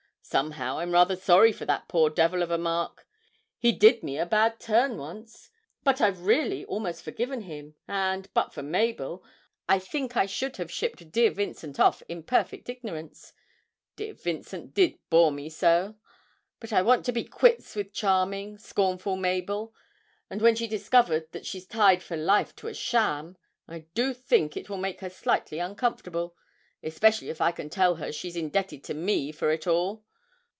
Somehow I'm rather sorry for that poor devil of a Mark he did me a bad turn once, but I've really almost forgiven him, and but for Mabel I think I should have shipped dear Vincent off in perfect ignorance dear Vincent did bore me so! But I want to be quits with charming, scornful Mabel, and, when she discovers that she's tied for life to a sham, I do think it will make her slightly uncomfortable especially if I can tell her she's indebted to me for it all!